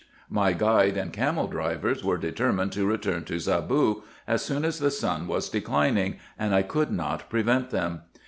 My guide and camel drivers were determined to return to Zaboo as soon as the sun was declining, and I could not prevent them.